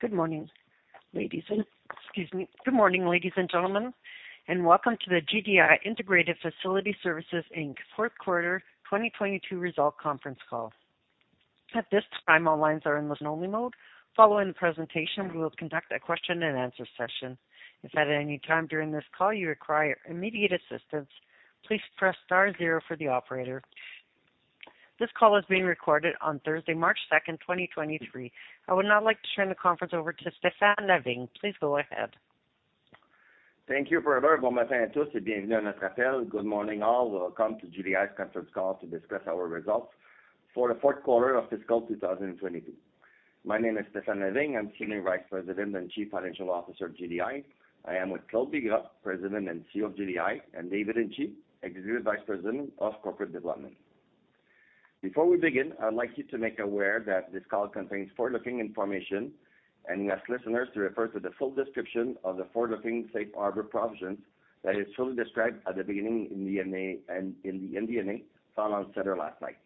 Good morning, ladies and gentlemen, and welcome to the GDI Integrated Facility Services Inc. fourth quarter 2022 result conference call. At this time, all lines are in listen-only mode. Following the presentation, we will conduct a question and answer session. If at any time during this call you require immediate assistance, please press star zero for the operator. This call is being recorded on Thursday, March 2nd, 2023. I would now like to turn the conference over to Stéphane Lavigne Please go ahead. Thank you for that. Good morning, all. Welcome to GDI's conference call to discuss our results for the fourth quarter of fiscal 2022. My name is Stéphane Lavigne. I'm Senior Vice President and Chief Financial Officer of GDI. I am with Claude Bigras, President and CEO of GDI, and David Hinchey, Executive Vice President of Corporate Development. Before we begin, I'd like you to make aware that this call contains forward-looking information, and we ask listeners to refer to the full description of the forward-looking safe harbor provisions that is fully described at the beginning in the MD&A found on SEDAR last night.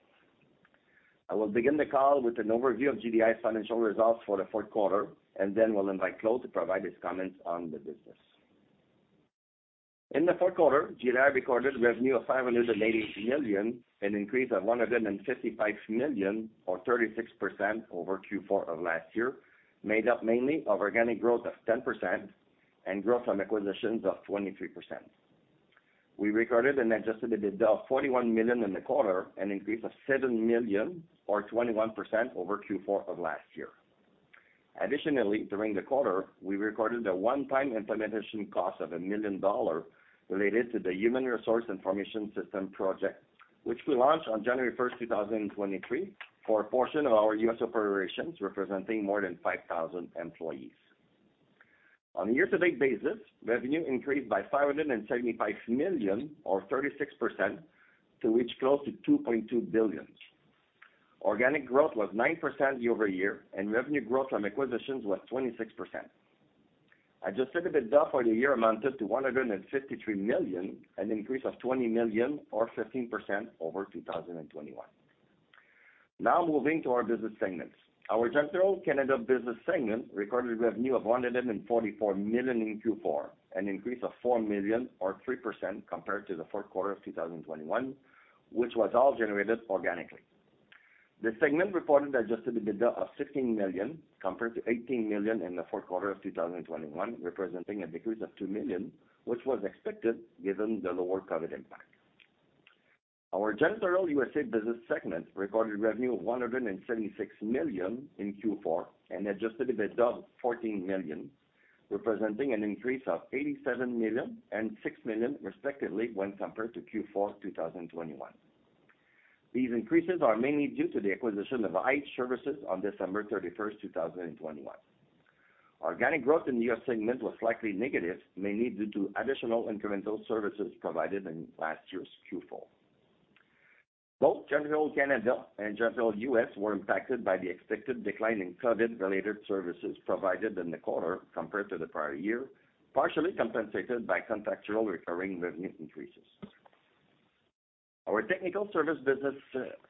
I will begin the call with an overview of GDI's financial results for the fourth quarter and then will invite Claude to provide his comments on the business. In the fourth quarter, GDI recorded revenue of 580 million, an increase of 155 million or 36% over Q4 of last year, made up mainly of organic growth of 10% and growth from acquisitions of 23%. We recorded an adjusted EBITDA of 41 million in the quarter, an increase of 7 million or 21% over Q4 of last year. Additionally, during the quarter, we recorded a one-time implementation cost of 1 million dollars related to the Human Resources Information System project, which we launched on January 1st, 2023, for a portion of our U.S. operations representing more than 5,000 employees. On a year-to-date basis, revenue increased by 575 million or 36% to reach close to 2.2 billion. Organic growth was 9% year-over-year, and revenue growth from acquisitions was 26%. Adjusted EBITDA for the year amounted to 153 million, an increase of 20 million or 15% over 2021. Moving to our business segments. Our Janitorial Canada business segment recorded revenue of 144 million in Q4, an increase of 4 million or 3% compared to the fourth quarter of 2021, which was all generated organically. The segment reported adjusted EBITDA of 16 million compared to 18 million in the fourth quarter of 2021, representing a decrease of 2 million, which was expected given the lower COVID impact. Our Janitorial USA business segment recorded revenue of $176 million in Q4 and adjusted EBITDA of $14 million, representing an increase of $87 million and $6 million, respectively, when compared to Q4 2021. These increases are mainly due to the acquisition of IH Services on December 31, 2021. Organic growth in the US segment was slightly negative, mainly due to additional incremental services provided in last year's Q4. Both Janitorial Canada and Janitorial US were impacted by the expected decline in COVID-related services provided in the quarter compared to the prior year, partially compensated by contractual recurring revenue increases. Our technical service business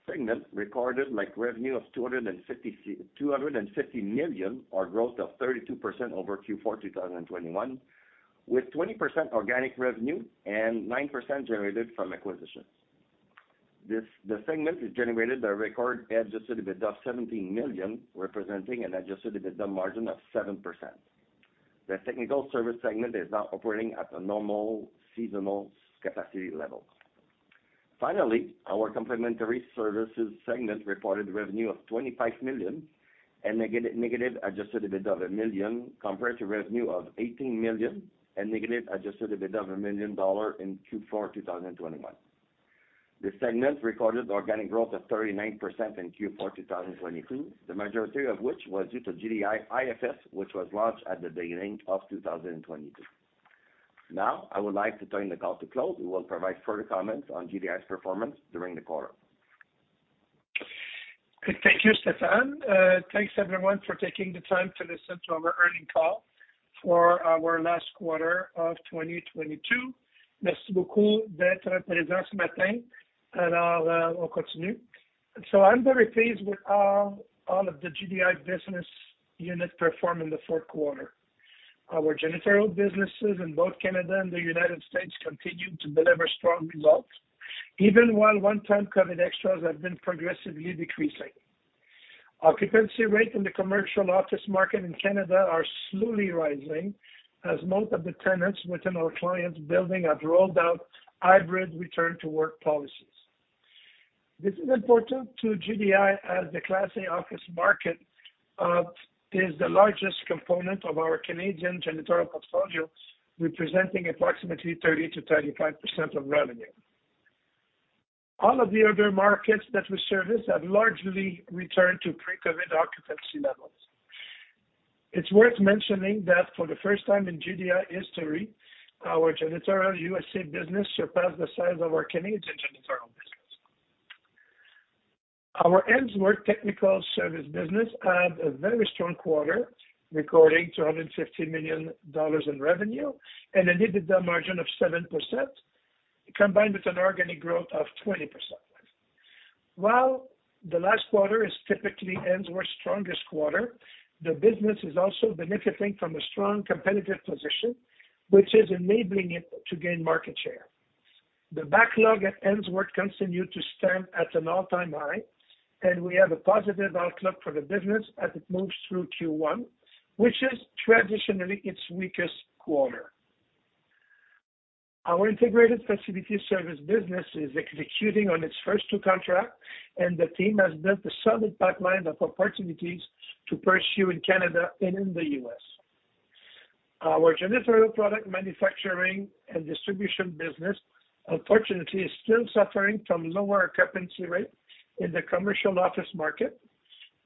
segment recorded like revenue of 250 million or growth of 32% over Q4 2021, with 20% organic revenue and 9% generated from acquisitions. The segment has generated a record adjusted EBITDA of 17 million, representing an adjusted EBITDA margin of 7%. The Technical Services segment is now operating at a normal seasonal capacity level. Finally, our complimentary services segment reported revenue of 25 million and negative adjusted EBITDA of 1 million, compared to revenue of 18 million and negative adjusted EBITDA of 1 million dollar in Q4 2021. The segment recorded organic growth of 39% in Q4 2022, the majority of which was due to GDI IFS, which was launched at the beginning of 2022. I would like to turn the call to Claude, who will provide further comments on GDI's performance during the quarter. Thank you, Stéphane. Thanks, everyone, for taking the time to listen to our earning call for our last quarter of 2022. I'm very pleased with how all of the GDI business units performed in the fourth quarter. Our janitorial businesses in both Canada and the United States continued to deliver strong results, even while one-time COVID extras have been progressively decreasing. Occupancy rate in the commercial office market in Canada are slowly rising as most of the tenants within our clients' building have rolled out hybrid return to work policies. This is important to GDI as the Class A office market is the largest component of our Canadian janitorial portfolio, representing approximately 30%-35% of revenue. All of the other markets that we service have largely returned to pre-COVID occupancy levels. It's worth mentioning that for the first time in GDI history, our Janitorial USA business surpassed the size of our Canadian janitorial business. The Ainsworth Technical Services business had a very strong quarter, recording 250 million dollars in revenue and an EBITDA margin of 7%, combined with an organic growth of 20%. The last quarter is typically Ainsworth's strongest quarter, the business is also benefiting from a strong competitive position, which is enabling it to gain market share. The backlog at Ainsworth continued to stand at an all-time high, we have a positive outlook for the business as it moves through Q1, which is traditionally its weakest quarter. Our integrated facility services business is executing on its first two contracts, the team has built a solid pipeline of opportunities to pursue in Canada and in the US. Our janitorial product manufacturing and distribution business, unfortunately, is still suffering from lower occupancy rates in the commercial office market,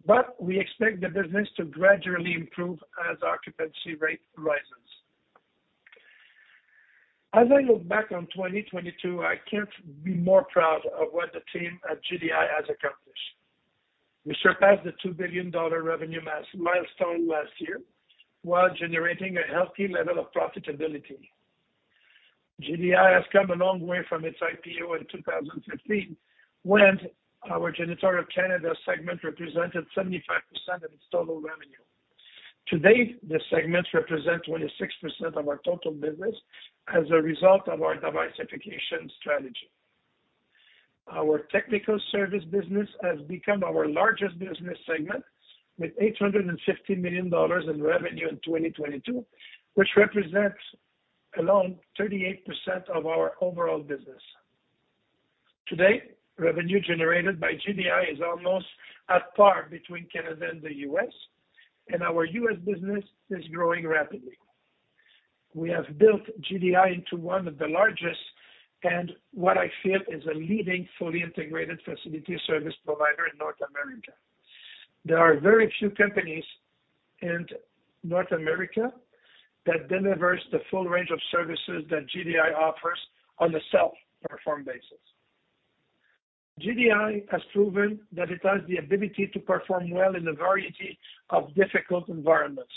but we expect the business to gradually improve as occupancy rate rises. As I look back on 2022, I can't be more proud of what the team at GDI has accomplished. We surpassed the 2 billion dollar revenue milestone last year while generating a healthy level of profitability. GDI has come a long way from its IPO in 2015, when our Janitorial Canada segment represented 75% of its total revenue. Today, this segment represents 26% of our total business as a result of our diversification strategy. Our technical service business has become our largest business segment, with 850 million dollars in revenue in 2022, which represents alone 38% of our overall business. Today, revenue generated by GDI is almost at par between Canada and the U.S., and our U.S. business is growing rapidly. We have built GDI into one of the largest, and what I feel is a leading, fully integrated facility service provider in North America. There are very few companies in North America that delivers the full range of services that GDI offers on a self-performed basis. GDI has proven that it has the ability to perform well in a variety of difficult environments.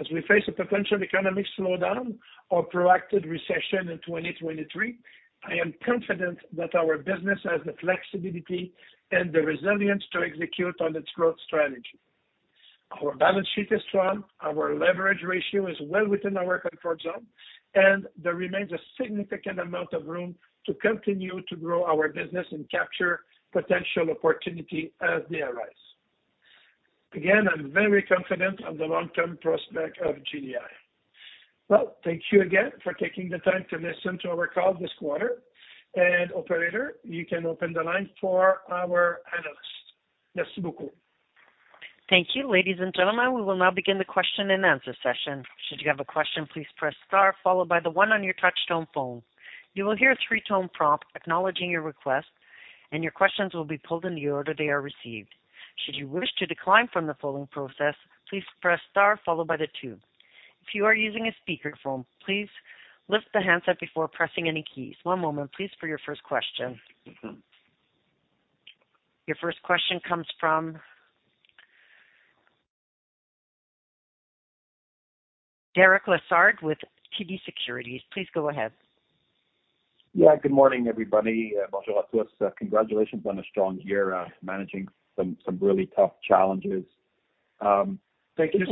As we face a potential economic slowdown or protracted recession in 2023, I am confident that our business has the flexibility and the resilience to execute on its growth strategy. Our balance sheet is strong, our leverage ratio is well within our comfort zone, and there remains a significant amount of room to continue to grow our business and capture potential opportunity as they arise. I'm very confident on the long-term prospect of GDI. Well, thank you again for taking the time to listen to our call this quarter. Operator, you can open the line for our analysts. Thank you. Ladies and gentlemen, we will now begin the question and answer session. Should you have a question, please press star followed by the one on your touchtone phone. You will hear a three-tone prompt acknowledging your request, and your questions will be pulled in the order they are received. Should you wish to decline from the following process, please press star followed by the two. If you are using a speakerphone, please lift the handset before pressing any keys. One moment please for your first question. Your first question comes from Derek Lessard with TD Securities. Please go ahead. Good morning, everybody. Congratulations on a strong year, managing some really tough challenges. Thank you. Just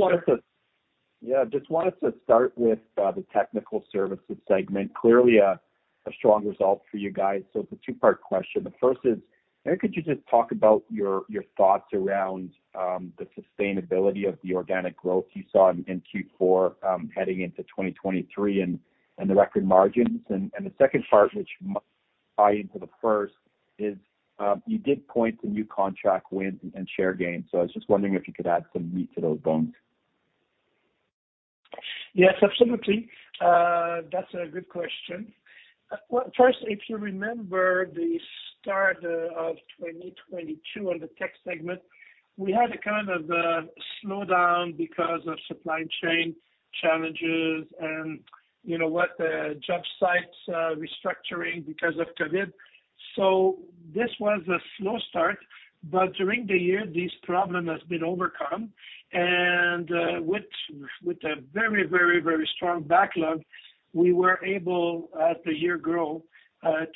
wanted to start with the technical services segment. Clearly a strong result for you guys. It's a two-part question. The first is, maybe could you just talk about your thoughts around the sustainability of the organic growth you saw in Q4 heading into 2023 and the record margins? The second part which tie into the first is, you did point to new contract wins and share gains. I was just wondering if you could add some meat to those bones. Yes, absolutely. That's a good question. Well, first, if you remember the start of 2022 on the tech segment, we had a kind of slowdown because of supply chain challenges and, you know what, job sites restructuring because of COVID. This was a slow start, but during the year, this problem has been overcome. With a very, very, very strong backlog, we were able, as the year grow,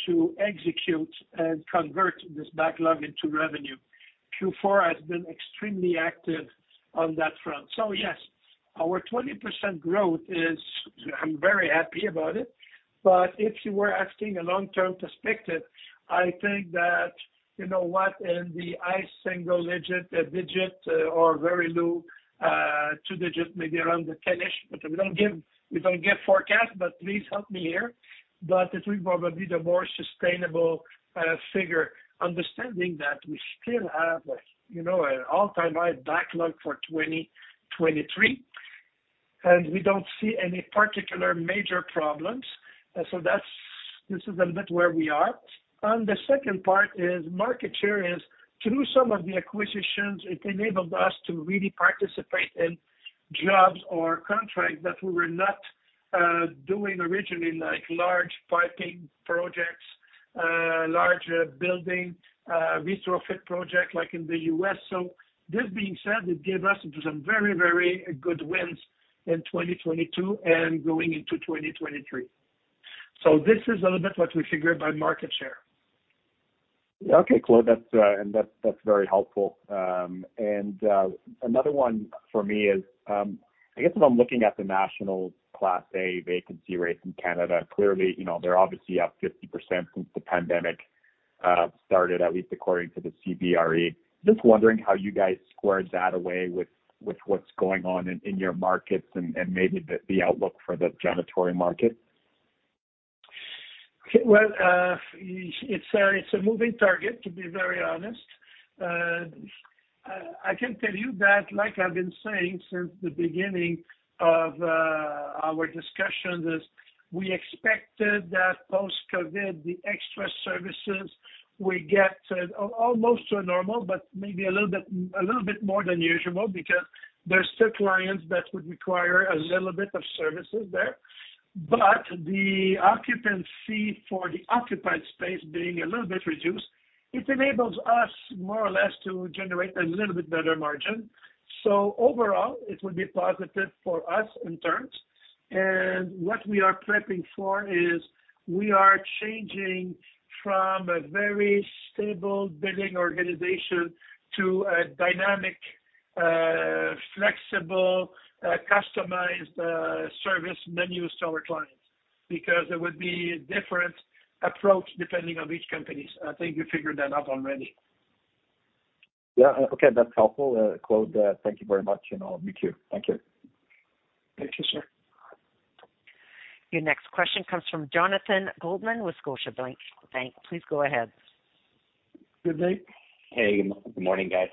to execute and convert this backlog into revenue. Q4 has been extremely active on that front. Yes, our 20% growth is, I'm very happy about it. If you were asking a long-term perspective, I think that you know what? In the high single-digit or very low two-digit, maybe around the 10-ish, we don't give forecast. Please help me here. It will probably be the more sustainable figure, understanding that we still have, you know, an all-time high backlog for 2023. We don't see any particular major problems. This is a bit where we are. On the second part is market share, through some of the acquisitions, it enabled us to really participate in jobs or contracts that we were not doing originally, like large piping projects, large building retrofit projects like in the U.S. This being said, it gave us some very, very good wins in 2022 and going into 2023. This is a little bit what we figure by market share. Okay, Claude. That's, and that's very helpful. Another one for me is, I guess if I'm looking at the national class A vacancy rates in Canada, clearly, you know, they're obviously up 50% since the pandemic started, at least according to the CBRE. Just wondering how you guys squared that away with what's going on in your markets and maybe the outlook for the janitorial market? Okay. Well, it's a moving target, to be very honest. I can tell you that, like I've been saying since the beginning of our discussions, is we expected that post-COVID, the extra services will get almost to a normal but maybe a little bit more than usual because there's still clients that would require a little bit of services there. But the occupancy for the occupied space being a little bit reduced, it enables us more or less to generate a little bit better margin. Overall, it will be positive for us in terms. What we are prepping for is we are changing from a very stable bidding organization to a dynamic, flexible, customized, service menus to our clients, because it would be different approach depending on which companies. I think you figured that out already. Yeah. Okay. That's helpful, Claude. Thank you very much. I'll queue. Thank you. Thank you, sir. Your next question comes from Jonathan Goldman with Scotiabank. Please go ahead. Good day. Hey, good morning, guys.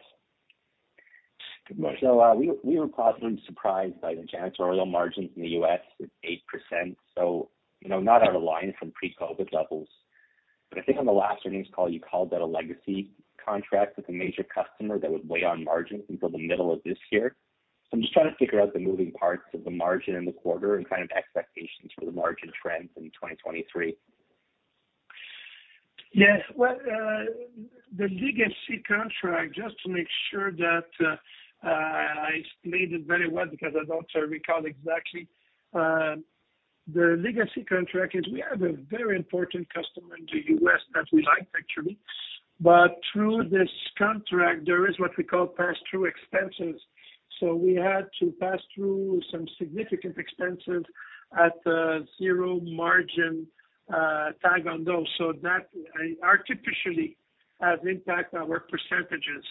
Good morning. We were positively surprised by the janitorial margins in the U.S. It's 8%. You know, not out of line from pre-COVID levels. I think on the last earnings call, you called that a legacy contract with a major customer that would weigh on margins until the middle of this year. I'm just trying to figure out the moving parts of the margin in the quarter and kind of expectations for the margin trends in 2023. Yes. Well, the legacy contract, just to make sure that I explained it very well because I don't recall exactly. The legacy contract is we have a very important customer in the U.S. that we like actually, but through this contract, there is what we call pass-through expenses. We had to pass through some significant expenses at zero margin tag on those. That artificially has impact our percentages.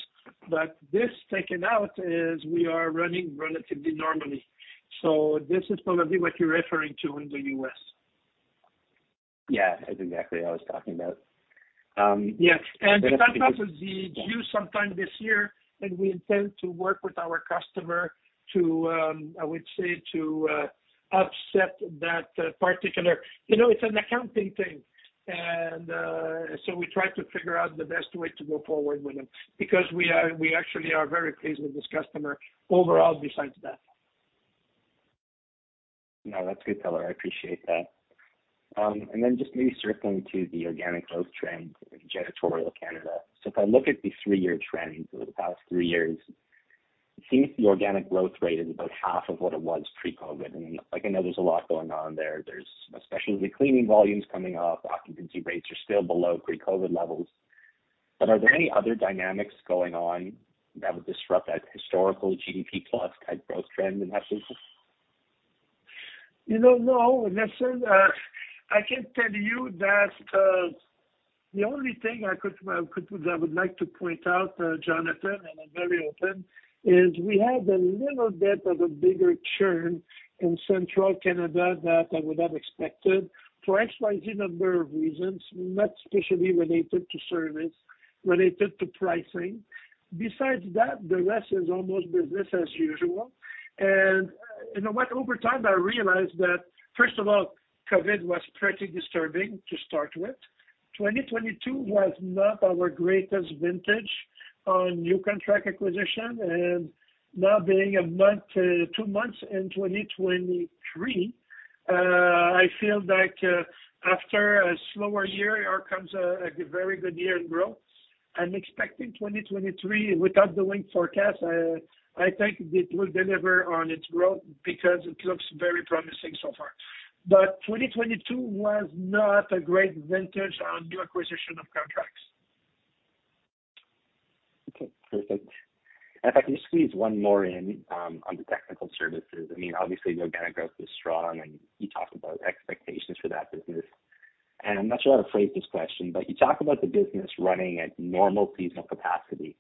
This taken out is we are running relatively normally. This is probably what you're referring to in the U.S. Yeah. That's exactly I was talking about. Yes. The contract is due sometime this year, and we intend to work with our customer to, I would say to, upset that particular... You know, it's an accounting thing. So we try to figure out the best way to go forward with them because we actually are very pleased with this customer overall besides that. No, that's good, Claude. I appreciate that. Then just maybe circling to the organic growth trend in Janitorial Canada. If I look at the 3-year trends over the past 3 years, it seems the organic growth rate is about half of what it was pre-COVID. Like, I know there's a lot going on there. There's especially the cleaning volumes coming up, occupancy rates are still below pre-COVID levels. Are there any other dynamics going on that would disrupt that historical GDP plus type growth trend in that business? You know, no. Listen, I can tell you that the only thing I would like to point out, Jonathan, and I'm very open, is we had a little bit of a bigger churn in central Canada that I would have expected for X, Y, Z number of reasons, not especially related to service, related to pricing. Besides that, the rest is almost business as usual. You know what? Over time, I realized that, first of all, COVID was pretty disturbing to start with. 2022 was not our greatest vintage on new contract acquisition. Now being a month, two months in 2023, I feel like after a slower year, here comes a very good year in growth. I'm expecting 2023, without doing forecast, I think it will deliver on its growth because it looks very promising so far. 2022 was not a great vintage on new acquisition of contracts. Okay. Perfect. If I can just squeeze one more in on the Technical Services. I mean, obviously your organic growth is strong, and you talked about expectations for that business. I'm not sure how to phrase this question, but you talk about the business running at normal seasonal capacity.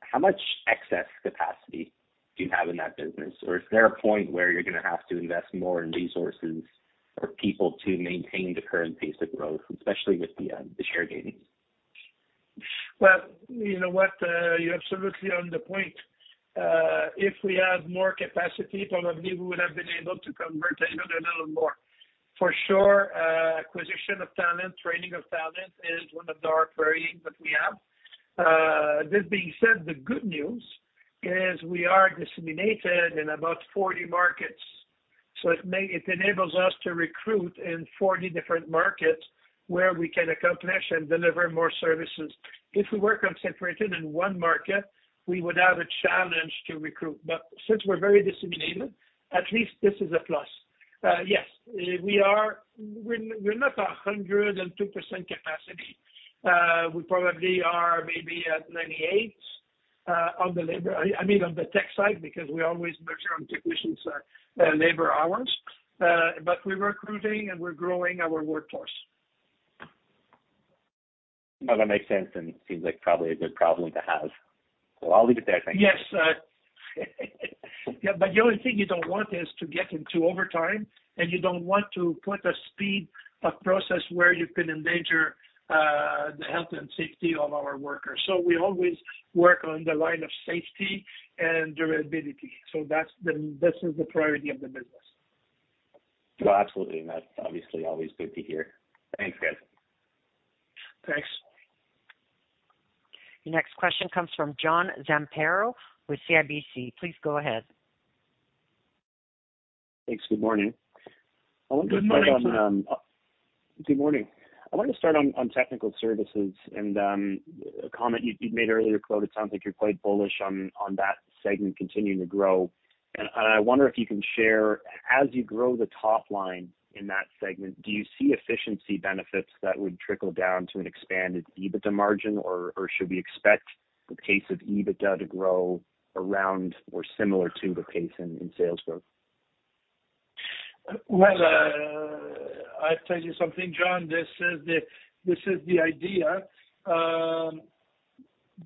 How much excess capacity do you have in that business? Or is there a point where you're gonna have to invest more in resources or people to maintain the current pace of growth, especially with the share gains? Well, you know what? You're absolutely on the point. If we had more capacity, probably we would have been able to convert another little more. For sure, acquisition of talent, training of talent is one of our worrying that we have. This being said, the good news is we are disseminated in about 40 markets. It enables us to recruit in 40 different markets where we can accomplish and deliver more services. If we were concentrated in one market, we would have a challenge to recruit. Since we're very disseminated, at least this is a plus. Yes, we're not 102% capacity. We probably are maybe at 98 on the labor. I mean, on the tech side, because we always measure on technicians, labor hours. We're recruiting and we're growing our workforce. No, that makes sense, and it seems like probably a good problem to have. Well, I'll leave it there. Thank you. Yes. Yeah. The only thing you don't want is to get into overtime, and you don't want to put a speed, a process where you can endanger the health and safety of our workers. We always work on the line of safety and durability. This is the priority of the business. Well, absolutely. That's obviously always good to hear. Thanks, guys. Thanks. Your next question comes from John Zamparo with CIBC. Please go ahead. Thanks. Good morning. Good morning, John. Good morning. I wanted to start on technical services and a comment you made earlier, Claude, it sounds like you're quite bullish on that segment continuing to grow. I wonder if you can share, as you grow the top line in that segment, do you see efficiency benefits that would trickle down to an expanded EBITDA margin? Or should we expect the case of EBITDA to grow around or similar to the case in sales growth? Well, I tell you something, John. This is the idea. The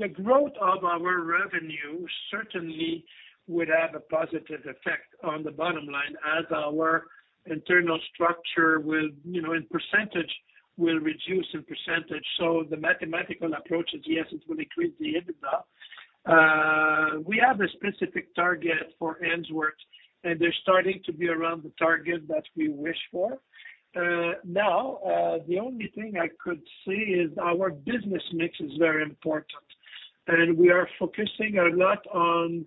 growth of our revenue certainly would have a positive effect on the bottom line as our internal structure will, you know, in percentage will reduce in percentage. The mathematical approach is, yes, it will increase the EBITDA. We have a specific target for Ainsworth, and they're starting to be around the target that we wish for. Now, the only thing I could see is our business mix is very important, and we are focusing a lot on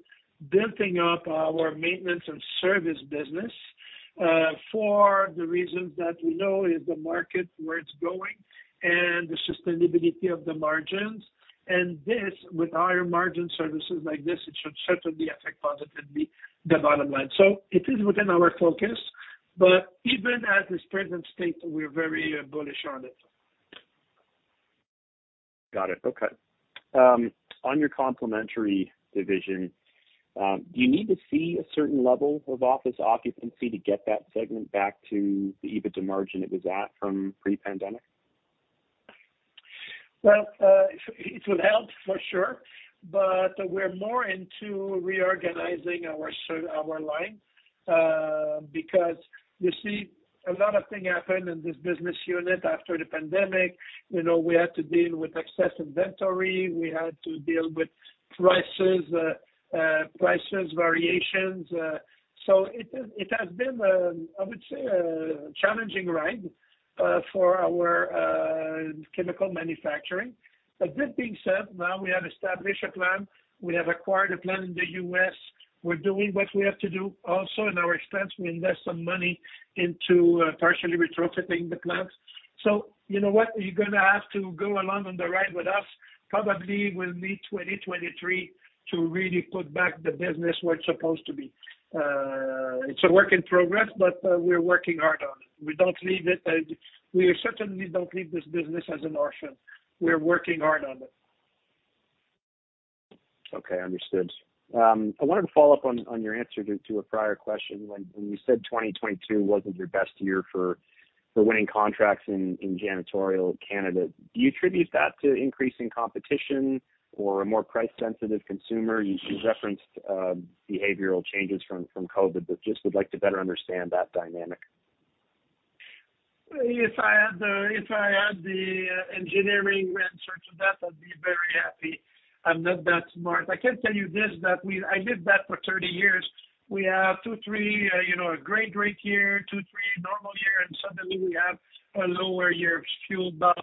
building up our maintenance and service business, for the reasons that we know is the market where it's going and the sustainability of the margins. This, with higher margin services like this, it should certainly affect positively the bottom line. It is within our focus, but even at its present state, we're very bullish on it. Got it. Okay. on your complementary division, do you need to see a certain level of office occupancy to get that segment back to the EBITDA margin it was at from pre-pandemic? It would help for sure, but we're more into reorganizing our line, because you see a lot of things happened in this business unit after the pandemic. You know, we had to deal with excess inventory. We had to deal with prices variations. It has been a, I would say, a challenging ride for our chemical manufacturing. This being said, now we have established a plan. We have acquired a plan in the US. We're doing what we have to do. Also in our expense, we invest some money into partially retrofitting the plans. You know what? You're gonna have to go along on the ride with us. Probably will be 2023 to really put back the business where it's supposed to be. It's a work in progress, but we're working hard on it. We don't leave it. We certainly don't leave this business as an option. We're working hard on it. Okay, understood. I wanted to follow up on your answer to a prior question when you said 2022 wasn't your best year for winning contracts in Janitorial Canada, do you attribute that to increasing competition or a more price-sensitive consumer? You referenced behavioral changes from COVID, but just would like to better understand that dynamic. If I had the engineering answer to that, I'd be very happy. I'm not that smart. I can tell you this, I did that for 30 years. We have two, three, you know, a great year, two, three normal year, suddenly we have a lower year fueled by,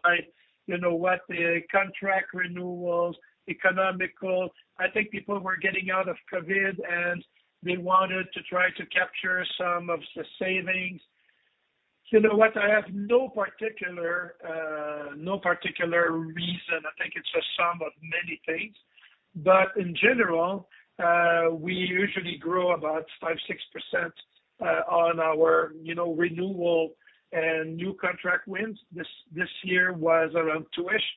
you know, what? The contract renewals, economical. I think people were getting out of COVID, they wanted to try to capture some of the savings. You know what? I have no particular, no particular reason. I think it's a sum of many things. In general, we usually grow about 5%-6% on our, you know, renewal and new contract wins. This year was around two-ish,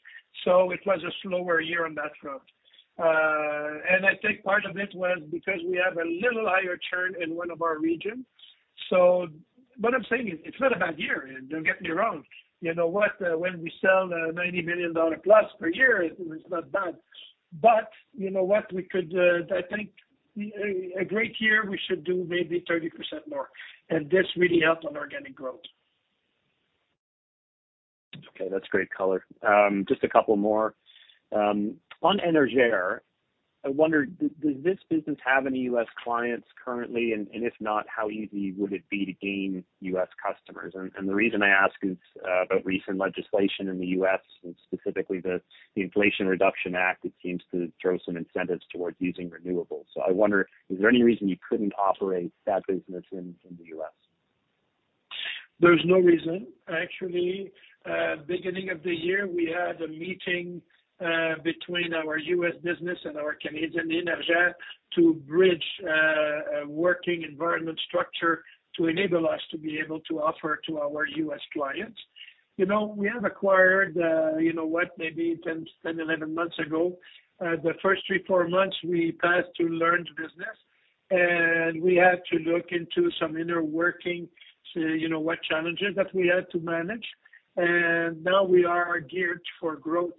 it was a slower year on that front. I think part of it was because we have a little higher churn in one of our regions. What I'm saying is, it's not a bad year. Don't get me wrong. You know what? When we sell $90 million plus per year, it's not bad. You know what? We could, I think, a great year, we should do maybe 30% more, and this really helps on organic growth. Okay, that's great color. Just a couple more. On Energere, I wonder, does this business have any U.S. clients currently? If not, how easy would it be to gain U.S. customers? The reason I ask is about recent legislation in the U.S., and specifically the Inflation Reduction Act, it seems to throw some incentives towards using renewables. I wonder, is there any reason you couldn't operate that business in the U.S.? There's no reason. Actually, beginning of the year, we had a meeting between our U.S. business and our Canadian, Energere, to bridge a working environment structure to enable us to be able to offer to our U.S. clients. You know, we have acquired, you know what, maybe 10, 11 months ago. The first three, four months, we passed through learned business, and we had to look into some inner working to, you know what, challenges that we had to manage. Now we are geared for growth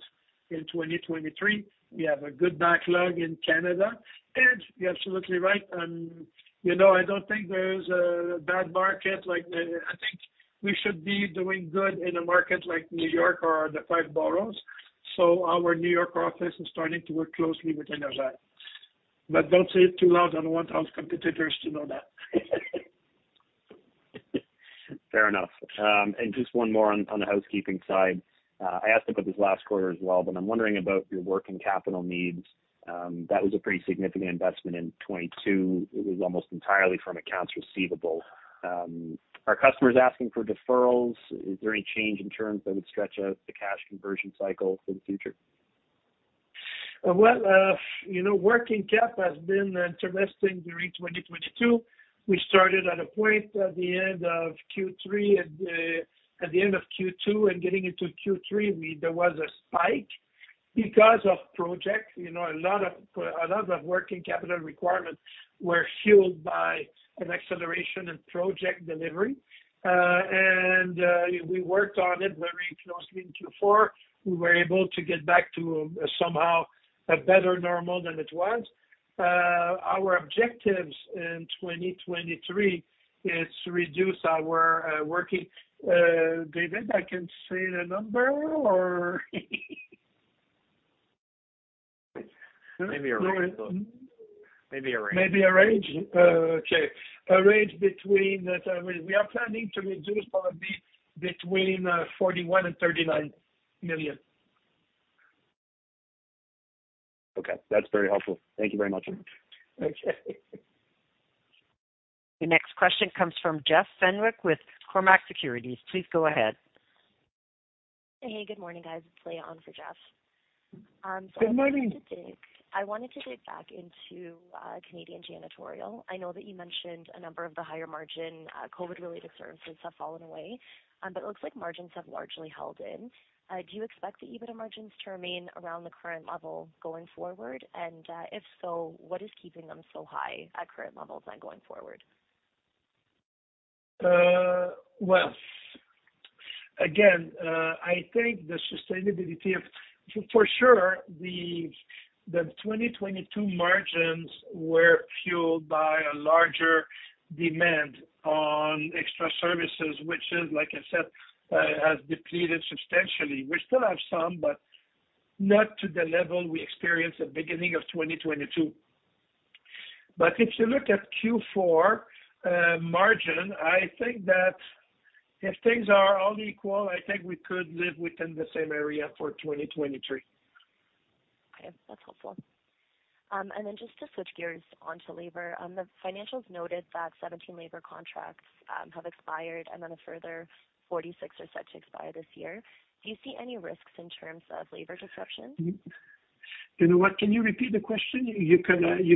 in 2023. We have a good backlog in Canada. You're absolutely right, you know, I don't think there's a bad market like, I think we should be doing good in a market like New York or the five boroughs. Our New York office is starting to work closely with Energere. Don't say it too loud. I don't want our competitors to know that. Fair enough. Just one more on the housekeeping side. I asked about this last quarter as well, but I'm wondering about your working capital needs. That was a pretty significant investment in 2022. It was almost entirely from accounts receivable. Are customers asking for deferrals? Is there any change in terms that would stretch out the cash conversion cycle for the future? Well, you know, working cap has been interesting during 2022. We started at a point at the end of Q3 and, at the end of Q2 and getting into Q3, there was a spike because of projects. You know, a lot of working capital requirements were fueled by an acceleration in project delivery. We worked on it very closely in Q4. We were able to get back to somehow a better normal than it was. Our objectives in 2023 is to reduce our working... David, I can say the number or Maybe a range though. Maybe a range. Maybe a range. Okay. We are planning to reduce probably between 41 million and 39 million. Okay. That's very helpful. Thank you very much. Okay. Your next question comes from Jeff Fenwick with Cormark Securities. Please go ahead. Hey, good morning, guys. It's Leah on for Jeff. Good morning. I wanted to dig back into Canadian janitorial. I know that you mentioned a number of the higher margin COVID-related services have fallen away, but it looks like margins have largely held in. Do you expect the EBITDA margins to remain around the current level going forward? If so, what is keeping them so high at current levels and going forward? Well, again, I think the sustainability of for sure, the 2022 margins were fueled by a larger demand on extra services, which is, like I said, has depleted substantially. We still have some, but not to the level we experienced at beginning of 2022. If you look at Q4 margin, I think that if things are all equal, I think we could live within the same area for 2023. Okay, that's helpful. Just to switch gears on to labor, on the financials noted that 17 labor contracts have expired and then a further 46 are set to expire this year. Do you see any risks in terms of labor disruptions? You know what, can you repeat the question? You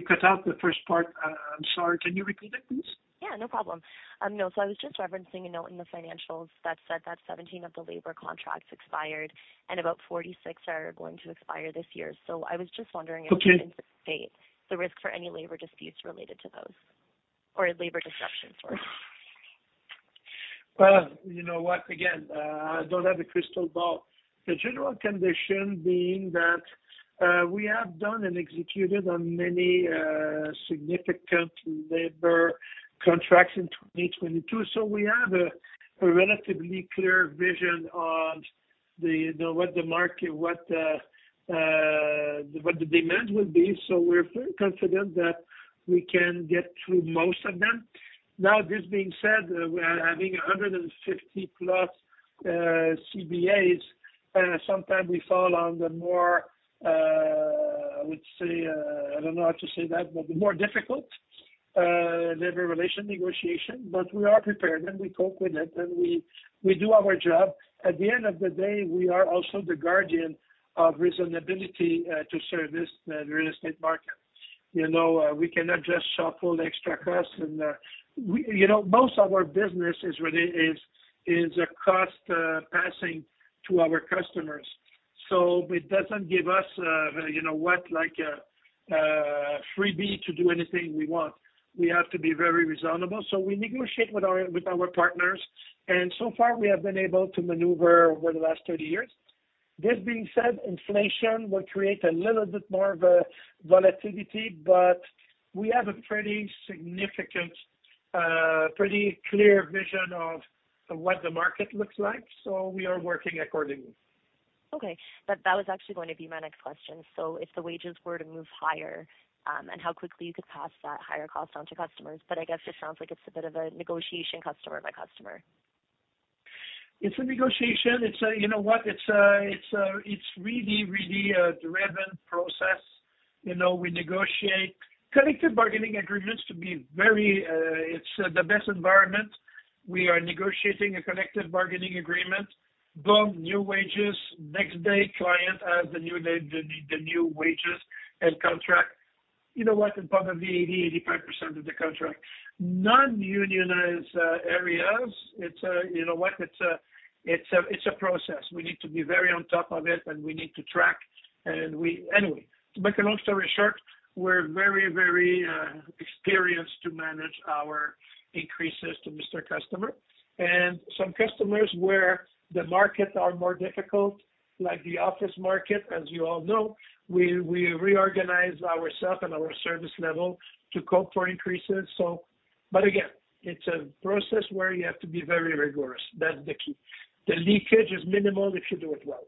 cut out the first part. I'm sorry. Can you repeat it, please? Yeah, no problem. No. I was just referencing a note in the financials that said that 17 of the labor contracts expired and about 46 are going to expire this year. I was just wondering. Okay. you can anticipate the risk for any labor disputes related to those, or labor disruptions, sorry. Well, you know what, again, I don't have a crystal ball. The general condition being that we have done and executed on many significant labor contracts in 2022. We have a relatively clear vision on the what the market, what the demand will be. We're pretty confident that we can get through most of them. Now, this being said, we are having 150 plus CBAs. Sometimes we fall on the more, I would say, I don't know how to say that, but the more difficult labor relation negotiation. We are prepared and we cope with it, and we do our job. At the end of the day, we are also the guardian of reasonability to service the real estate market. You know, we cannot just shuffle the extra costs. You know, most of our business is really, is a cost passing to our customers. It doesn't give us, you know what, like a freebie to do anything we want. We have to be very reasonable. We negotiate with our partners. So far we have been able to maneuver over the last 30 years. This being said, inflation will create a little bit more of a volatility, but we have a pretty significant, pretty clear vision of what the market looks like, so we are working accordingly. Okay. That was actually going to be my next question. If the wages were to move higher, and how quickly you could pass that higher cost on to customers. I guess it sounds like it's a bit of a negotiation customer by customer. It's a negotiation. It's a, you know what? It's a really driven process. You know, we negotiate collective bargaining agreements to be very, it's the best environment. We are negotiating a collective bargaining agreement. Boom, new wages. Next day, client has the new wages and contract. You know what? It's probably 80%-85% of the contract. Non-unionized areas, it's a, you know what, it's a process. We need to be very on top of it, and we need to track. Anyway, to make a long story short, we're very experienced to manage our increases to Mr. Customer. Some customers where the markets are more difficult, like the office market, as you all know, we reorganize ourself and our service level to cope for increases. Again, it's a process where you have to be very rigorous. That's the key. The leakage is minimal if you do it well.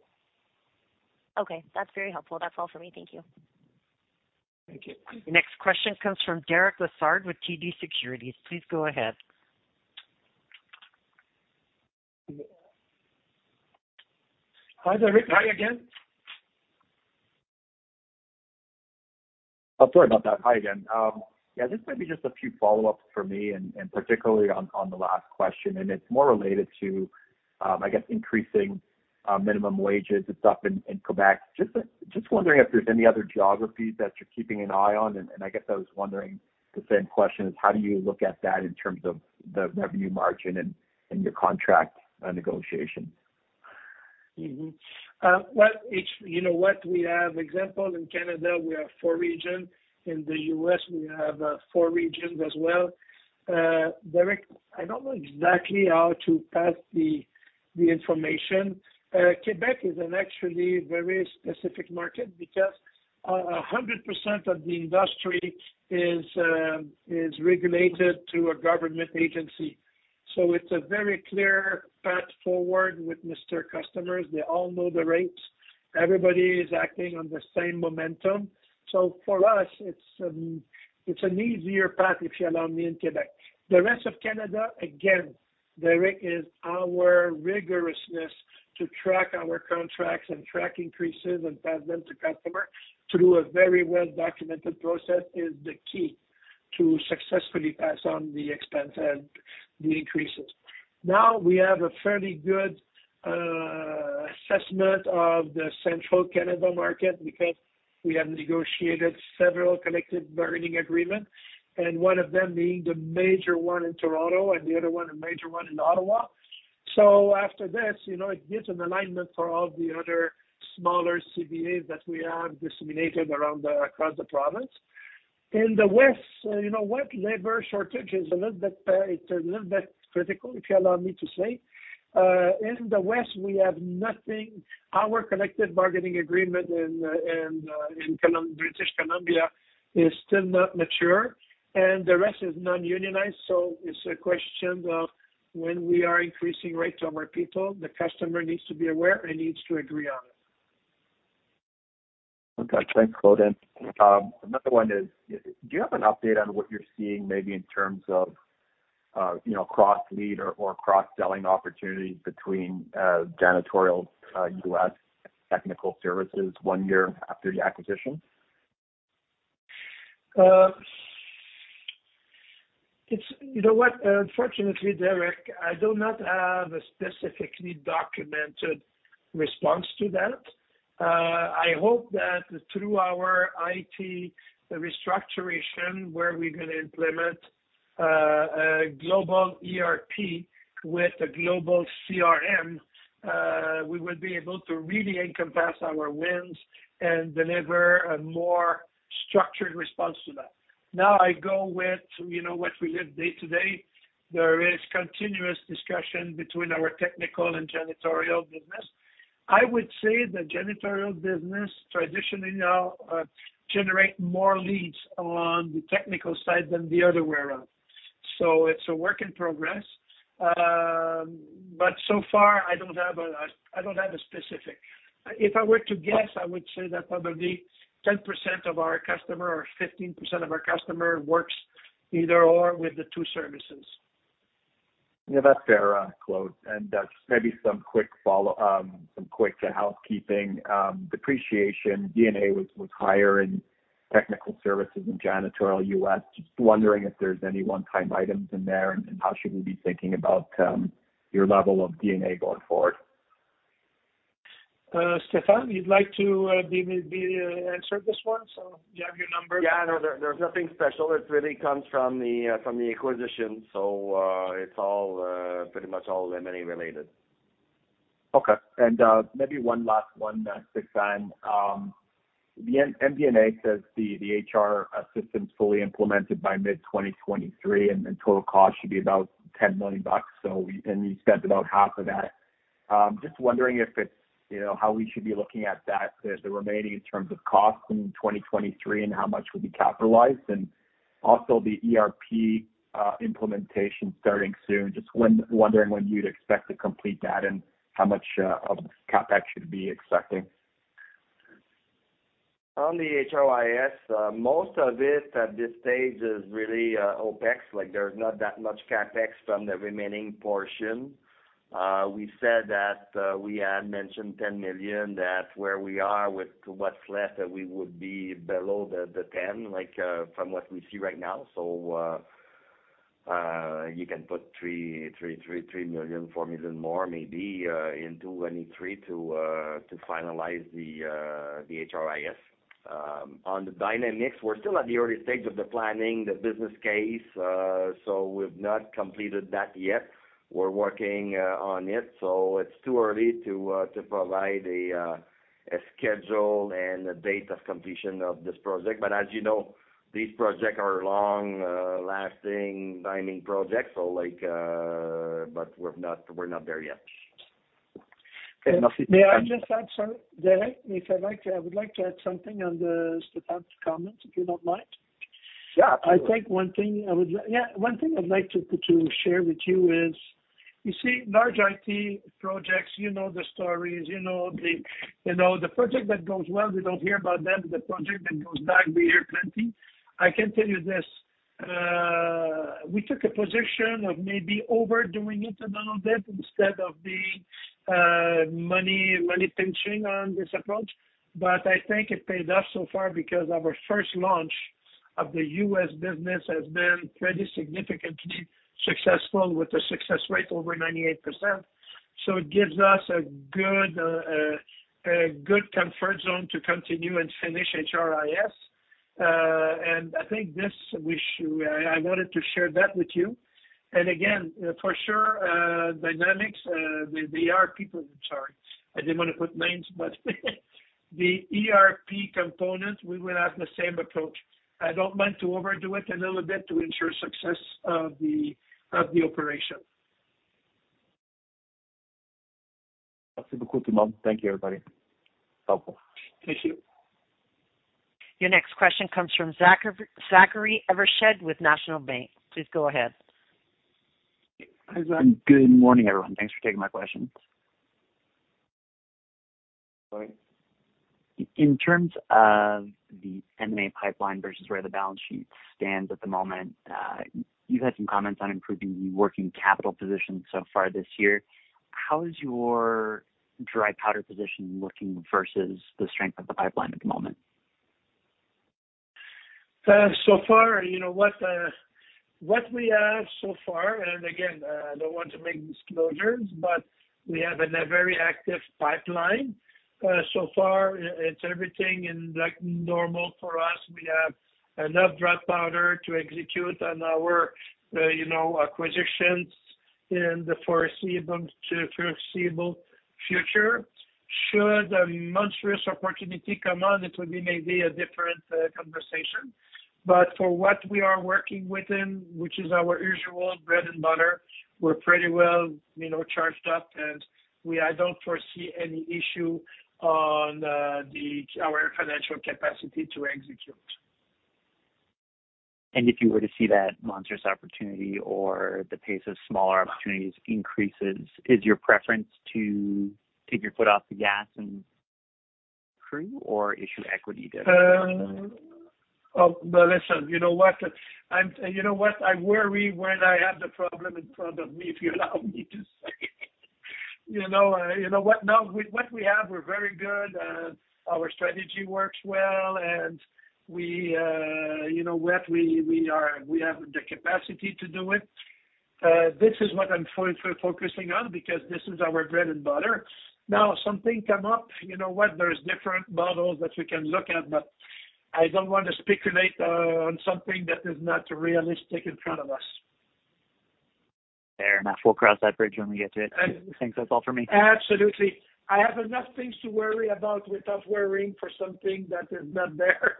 Okay, that's very helpful. That's all for me. Thank you. Thank you. Next question comes from Derek Lessard with TD Securities. Please go ahead. Hi there. Hi again. Oh, sorry about that. Hi again. Yeah, this may be just a few follow-ups for me, and particularly on the last question, and it's more related to, I guess increasing minimum wages and stuff in Quebec. Just wondering if there's any other geographies that you're keeping an eye on. I guess I was wondering the same question is how do you look at that in terms of the revenue margin and your contract negotiation? Well, it's, you know what, we have example in Canada, we have four region. In the U.S., we have four regions as well. Derek, I don't know exactly how to pass the information. Quebec is an actually very specific market because 100% of the industry is regulated through a government agency. It's a very clear path forward with Mr. Customers. They all know the rates. Everybody is acting on the same momentum. For us, it's an easier path, if you allow me, in Quebec. The rest of Canada, again, Derek, is our rigorousness to track our contracts and track increases and pass them to customer through a very well-documented process is the key to successfully pass on the expense and the increases. Now we have a fairly good assessment of the Central Canada market because we have negotiated several collective bargaining agreement, and one of them being the major one in Toronto and the other one, a major one in Ottawa. After this, you know, it gives an alignment for all the other smaller CBAs that we have disseminated around the, across the province. In the West, you know what, labor shortage is a little bit, it's a little bit critical, if you allow me to say. In the West, we have nothing. Our collective bargaining agreement in British Columbia is still not mature, and the rest is non-unionized, so it's a question of when we are increasing rates of our people, the customer needs to be aware and needs to agree on it. Okay. Thanks, Claude. another one is, do you have an update on what you're seeing maybe in terms of, you know, cross-lead or cross-selling opportunities between Janitorial, US Technical Services one year after the acquisition? You know what? Unfortunately, Derek, I do not have a specifically documented response to that. I hope that through our IT restructuration, where we're gonna implement a global ERP with a global CRM, we will be able to really encompass our wins and deliver a more structured response to that. I go with, you know what, we live day to day. There is continuous discussion between our technical and janitorial business. I would say the janitorial business traditionally generate more leads on the technical side than the other way around. It's a work in progress. So far, I don't have a specific. If I were to guess, I would say that probably 10% of our customer or 15% of our customer works either or with the two services. Yeah, that's fair, Claude. Maybe some quick follow, some quick housekeeping. Depreciation, D&A was higher in Technical Services and Janitorial USA. Just wondering if there's any one-time items in there, and how should we be thinking about your level of D&A going forward? Stéphane, you'd like to be answer this one you have your numbers? Yeah. No, there's nothing special. It really comes from the from the acquisition. It's all pretty much all M&A related. Okay. Maybe one last one this time. The MD&A says the HRIS fully implemented by mid-2023, and then total cost should be about $10 million bucks. You spent about half of that. Just wondering if it's, you know, how we should be looking at that, the remaining in terms of cost in 2023 and how much would be capitalized. Also the ERP implementation starting soon. Just wondering when you'd expect to complete that and how much of CapEx should be expecting? On the HRIS, most of it at this stage is really OpEx. Like, there's not that much CapEx from the remaining portion. We said that we had mentioned 10 million. That's where we are with what's left, and we would be below the 10 from what we see right now. You can put 3 million, 4 million more maybe in 2023 to finalize the HRIS. On the Dynamics, we're still at the early stage of the planning, the business case, we've not completed that yet. We're working on it's too early to provide a schedule and a date of completion of this project. As you know, these projects are long, lasting timing projects. We're not there yet. May I just add something, Derek? I would like to add something on the Stéphane's comments, if you don't mind. Yeah, absolutely. I think one thing I would like, one thing I'd like to share with you is, you see large IT projects, you know the stories, you know the project that goes well, we don't hear about them. The project that goes bad, we hear plenty. I can tell you this, we took a position of maybe overdoing it a little bit instead of being money pinching on this approach. I think it paid off so far because our first launch of the U.S. business has been pretty significantly successful with a success rate over 98%. It gives us a good comfort zone to continue and finish HRIS. I think this, I wanted to share that with you. Again, for sure, Dynamics with the ER people. I'm sorry. I didn't wanna put names, but the ERP component, we will have the same approach. I don't mind to overdo it a little bit to ensure success of the operation. Thank you, everybody. Helpful. Thank you. Your next question comes from Zachary Evershed with National Bank. Please go ahead. Good morning, everyone. Thanks for taking my questions. Sorry. In terms of the M&A pipeline versus where the balance sheet stands at the moment, you've had some comments on improving the working capital position so far this year. How is your dry powder position looking versus the strength of the pipeline at the moment? So far, you know what we have so far, again, I don't want to make disclosures, but we have a very active pipeline. So far, it's everything in like normal for us. We have enough dry powder to execute on our, you know, acquisitions in the foreseeable future. Should a monstrous opportunity come out, it would be maybe a different conversation. For what we are working within, which is our usual bread and butter, we're pretty well, you know, charged up, and I don't foresee any issue on our financial capacity to execute. If you were to see that monstrous opportunity or the pace of smaller opportunities increases, is your preference to take your foot off the gas and crew or issue equity? Oh, listen, you know what? I'm, you know what? I worry when I have the problem in front of me, if you allow me to say. You know, you know what? What we have, we're very good. Our strategy works well, and we, you know what? We are, we have the capacity to do it. This is what I'm focusing on because this is our bread and butter. Something come up, you know what? There's different models that we can look at. I don't want to speculate on something that is not realistic in front of us. Fair enough. We'll cross that bridge when we get to it. I think that's all for me. Absolutely. I have enough things to worry about without worrying for something that is not there.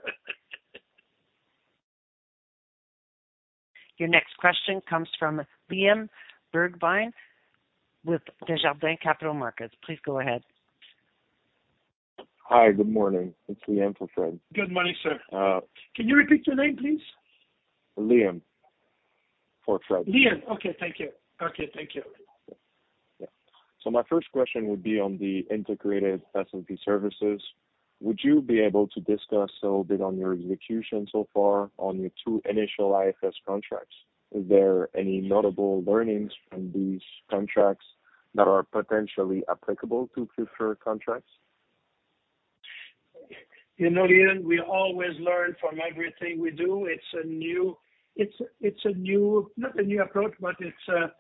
Your next question comes from Liam Bergevin with Desjardins Capital Markets. Please go ahead. Hi. Good morning. It's Liam for Fred. Good morning, sir. Uh- Can you repeat your name, please? Liam for Fred. Okay, thank you. Okay, thank you. Yeah. My first question would be on the integrated facility services. Would you be able to discuss a little bit on your execution so far on your two initial IFS contracts? Is there any notable learnings from these contracts that are potentially applicable to future contracts? You know, Liam, we always learn from everything we do. It's a new, not a new approach, but it's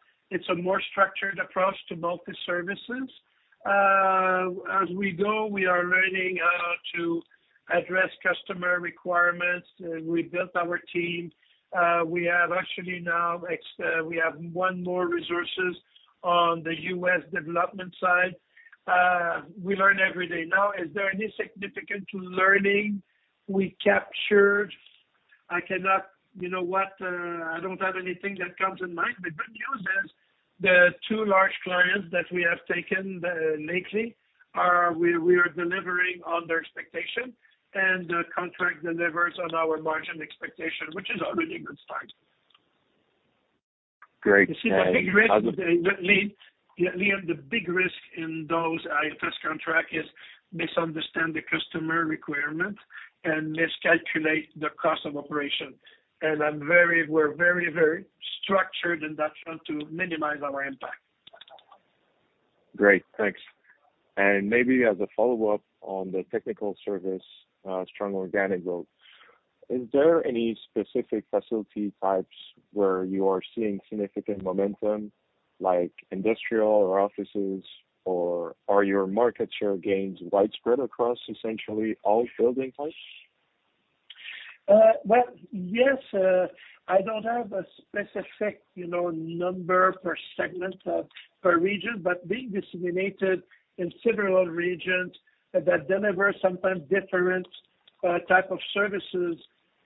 a more structured approach to multi services. As we go, we are learning to address customer requirements. We built our team. We have actually now we have one more resources on the US development side. We learn every day. Now, is there any significant learning we captured? I cannot... You know what? I don't have anything that comes to mind. The good news is the two large clients that we have taken, lately are we are delivering on their expectation, and the contract delivers on our margin expectation, which is already a good start. You see the big risk, Liam, the big risk in those, test contract is misunderstand the customer requirement and miscalculate the cost of operation. We're very, very structured in that front to minimize our impact. Great. Thanks. Maybe as a follow-up on the Technical Services, strong organic growth. Is there any specific facility types where you are seeing significant momentum like industrial or offices? Or are your market share gains widespread across essentially all building types? Well, yes. I don't have a specific, you know, number per segment, per region, but being disseminated in several regions that deliver sometimes different type of services.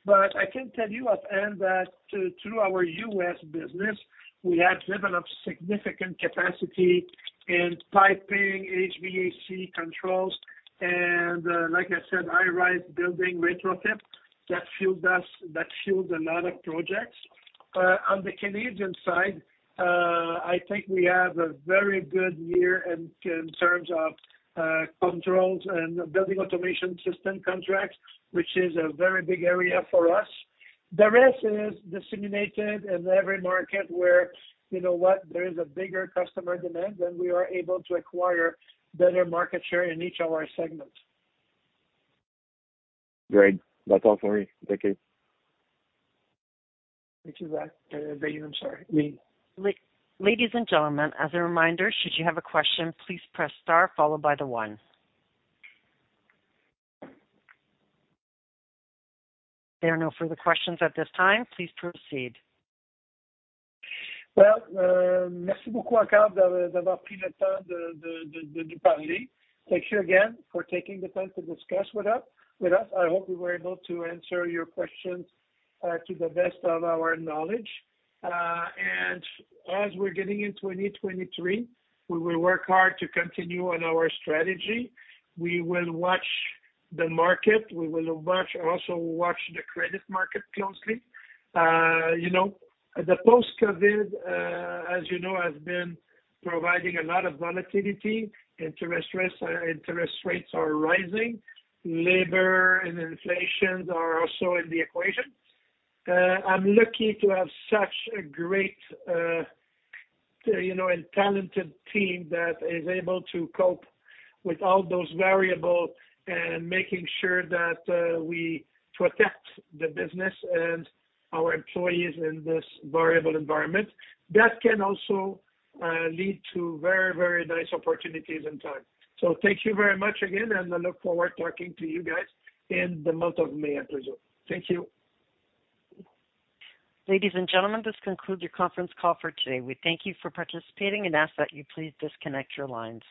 I can tell you at end that through our U.S. business, we have developed significant capacity in piping HVAC controls and, like I said, high-rise building retrofit that fueled a lot of projects. On the Canadian side, I think we have a very good year in terms of controls and building automation system contracts, which is a very big area for us. The rest is disseminated in every market where, you know what, there is a bigger customer demand than we are able to acquire better market share in each of our segments. Great. That's all for me. Thank you. Which is that? I'm sorry. Me. Ladies and gentlemen, as a reminder, should you have a question, please press star followed by the one. There are no further questions at this time. Please proceed. Well. Thank you again for taking the time to discuss with us. I hope we were able to answer your questions to the best of our knowledge. As we're getting into 2023, we will work hard to continue on our strategy. We will watch the market. We will also watch the credit market closely. You know, the post-COVID, as you know, has been providing a lot of volatility. Interest rates are rising. Labor and inflation are also in the equation. I'm lucky to have such a great, you know, and talented team that is able to cope with all those variable and making sure that we protect the business and our employees in this variable environment. That can also lead to very, very nice opportunities and time. Thank you very much again, and I look forward talking to you guys in the month of May, I presume. Thank you. Ladies and gentlemen, this concludes your conference call for today. We thank you for participating and ask that you please disconnect your lines.